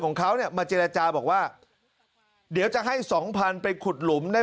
ของเขาเนี่ยมาเจรจาบอกว่าเดี๋ยวจะให้สองพันไปขุดหลุมได้